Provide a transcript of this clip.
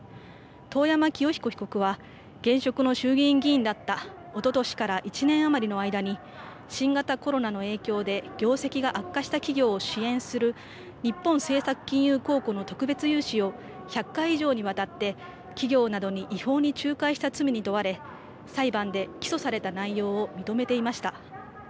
遠山清彦被告は現職の衆議院議員だったおととしから１年余りの間に新型コロナの影響で業績が悪化した企業を支援する日本政策金融公庫の特別融資を１００回以上にわたって企業などに違法に仲介した罪に問われ裁判で起訴された内容を認めていました。